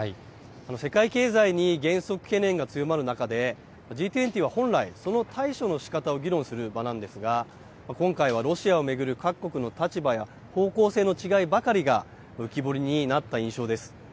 世界経済に減速懸念が強まる中で、Ｇ２０は本来、その対処のしかたを議論する場なんですが、今回はロシアを巡る各国の立場や方向性の違いばかりが浮き彫りになった印象です。